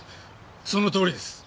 そのとおりです。